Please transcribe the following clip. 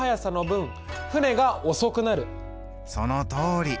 そのとおり。